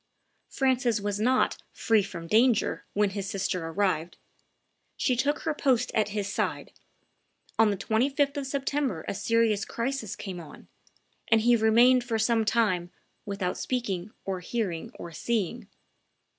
Francis was not "free from danger" when his sister arrived; she took her post at his side; on the 25th of September a serious crisis came on; and he remained for some time "without speaking, or hearing, or seeing."